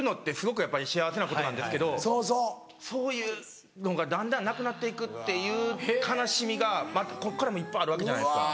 そういうのがだんだんなくなって行くという悲しみがこっからもいっぱいあるわけじゃないですか。